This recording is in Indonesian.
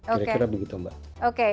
kira kira begitu mbak